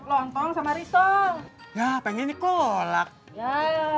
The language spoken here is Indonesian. kalian rasa siap nutritious berniw kekuat muda di colocar di kecil sosing